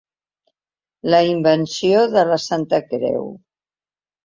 La invenció de la Santa Creu.